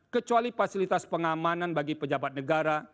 kecuali fasilitas pengamanan bagi pejabat negara